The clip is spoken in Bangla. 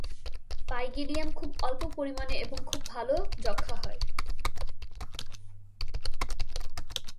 পাইগিডিয়াম খুব অল্প পরিমাণে এবং খুব ভাল যক্ষ্মা হয়।